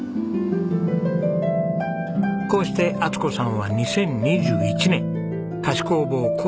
こうして充子さんは２０２１年菓子工房コルデをオープン。